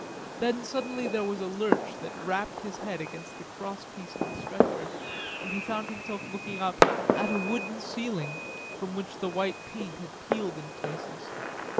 Then suddenly there was a lurch that rapped his head against the crosspiece of the stretcher, and he found himself looking up at a wooden ceiling from which the white paint had peeled in places.